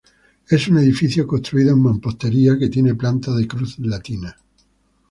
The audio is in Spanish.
Es un edificio construido en mampostería que tiene planta de cruz latina.